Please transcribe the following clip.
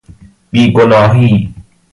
بی گناهی